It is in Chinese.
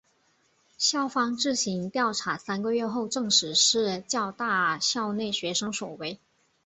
校方自行调查三个月后证实是教大校内学生所为。